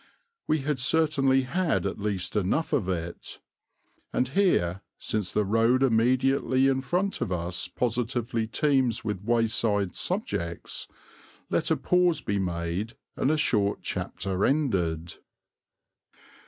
We had certainly had at least enough of it. And here, since the road immediately in front of us positively teems with wayside subjects, let a pause be made and a short chapter ended.